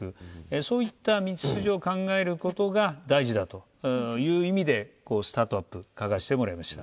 そういった道筋を考えることが大事だという意味で「スタートアップ」を書かせてもらいました。